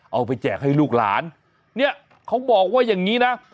แจกให้ลูกหลานเนี่ยเขาบอกว่าอย่างนี้นะ